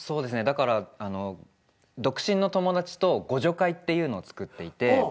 だから独身の友達と互助会っていうのを作っていて。